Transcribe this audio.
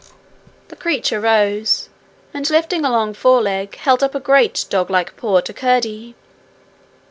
The creature rose, and, lifting a long foreleg, held up a great doglike paw to Curdie.